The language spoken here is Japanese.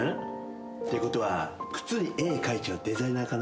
ってことは靴に絵描いちゃうデザイナーかな？